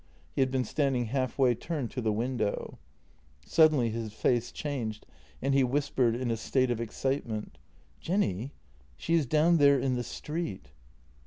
..." He had been standing half way turned to the window. Suddenly his face changed, and he whispered in a state of excitement: " Jenny, she is down there in the street!